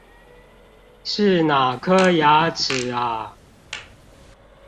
是哪顆牙齒啊